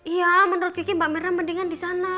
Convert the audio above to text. iya menurut kiki mbak mirna mendingan disana